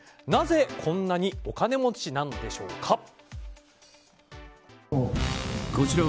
なぜこんなにお金持ちなんでしょうか。